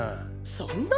そんな！！